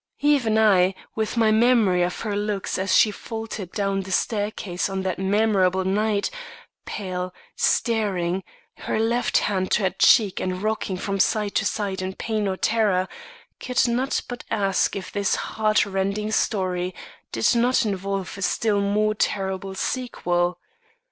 Even I, with my memory of her looks as she faltered down the staircase on that memorable night pale, staring, her left hand to her cheek and rocking from side to side in pain or terror could not but ask if this heart rending story did not involve a still more terrible sequel.